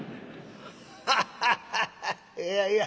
ハハハハいやいや